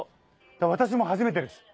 私も初めてです。